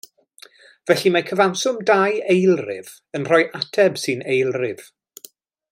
Felly, mae cyfanswm dau eilrif yn rhoi ateb sy'n eilrif.